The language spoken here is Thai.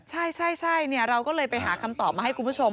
ใช่เราก็เลยไปหาคำตอบมาให้คุณผู้ชม